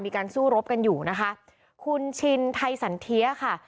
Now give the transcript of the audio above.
มีการสู้รบกันอยู่นะคะคุณชินไทยสันเทียค่ะ